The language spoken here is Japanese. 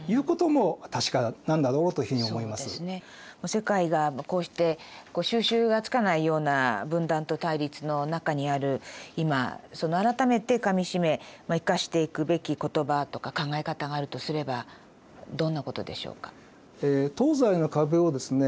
世界がこうして収拾がつかないような分断と対立の中にある今改めてかみしめ生かしていくべき言葉とか考え方があるとすればどんなことでしょうか？